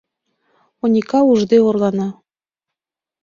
Оника ужде орлана.